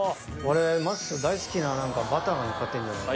まっすー大好きなバターがのっかってんじゃないの。